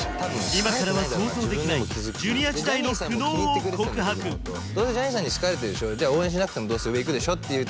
今からは想像できないＪｒ．時代の苦悩を告白どうせジャニーさんに好かれてるでしょじゃあ応援しなくてもどうせ上行くでしょっていう